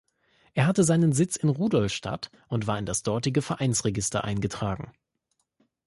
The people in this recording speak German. Er hatte seinen Sitz in Rudolstadt und war in das dortige Vereinsregister eingetragen.